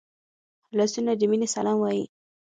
لاسونه د مینې سلام وايي